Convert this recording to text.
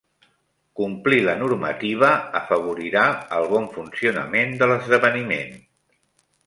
Complir la normativa afavorirà el bon funcionament de l'esdeveniment.